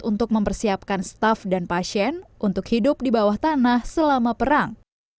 untuk mempersiapkan staff dan pasien untuk hidup di bawah tanah selama perang